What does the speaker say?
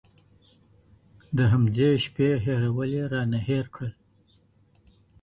د همدې شپې هېرول يې رانه هېر کړل